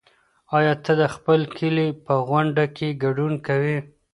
ایا ته د خپل کلي په غونډه کې ګډون کوې؟